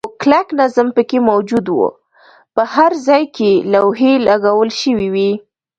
خو کلک نظم پکې موجود و، په هر ځای کې لوحې لګول شوې وې.